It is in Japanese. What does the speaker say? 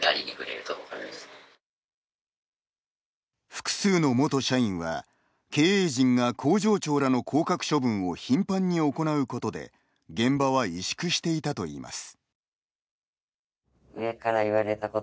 複数の元社員は経営陣が工場長らの降格処分を頻繁に行うことで現場は萎縮していたといいます。